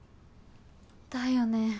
だよね。